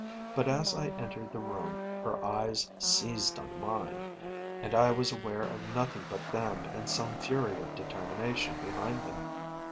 But as I entered the room her eyes seized on mine, and I was aware of nothing but them and some fury of determination behind them.